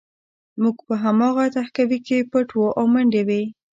موږ په هماغه تهکوي کې پټ وو او منډې وې